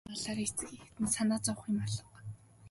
Хоол ундных нь талаар эцэг эхэд нь санаа зовох юм алга.